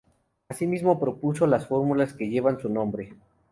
Así mismo, propuso las fórmulas que llevan su nombre.